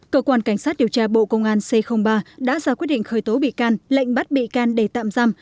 cơ quan cảnh sát điều tra bộ công an c ba đã ra quyết định khởi tố bị can lệnh bắt bị can để tạm giam